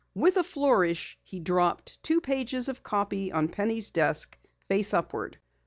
With a flourish he dropped two pages of copy on Penny's desk, face upward.